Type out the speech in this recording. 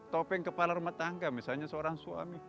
topeng kepala rumah tangga misalnya seorang suami